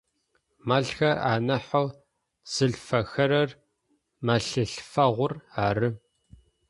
Мэлхэр анахьэу зылъфэхэрэр мэлъылъфэгъур ары.